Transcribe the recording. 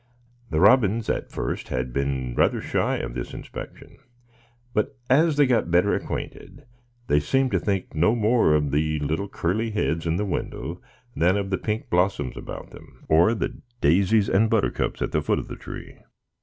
The robins at first had been rather shy of this inspection; but as they got better acquainted, they seemed to think no more of the little curly heads in the window than of the pink blossoms about them, or the daisies and buttercups at the foot of the tree.